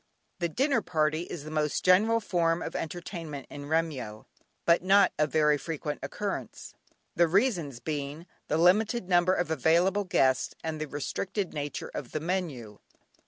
The dinner party is the most general form of entertainment in Remyo, but not of very frequent occurrence; the reasons being, the limited number of available guests and the restricted nature of the menu.